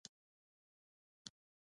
آیا د پښتنو په کلتور کې د سپورت مینه نشته؟